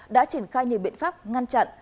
đã triển khai nhiều biện pháp ngăn chặn